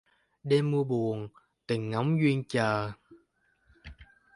Đêm mưa buồn, tình ngóng duyên chờ.